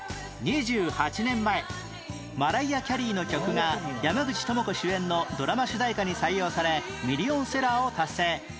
２８年前マライア・キャリーの曲が山口智子主演のドラマ主題歌に採用されミリオンセラーを達成